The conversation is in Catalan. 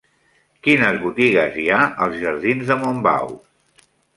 Quines botigues hi ha als jardins de Montbau?